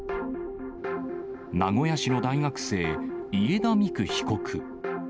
名古屋市の大学生、家田美空被告。